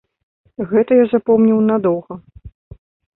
Гэта я запомніў надоўга.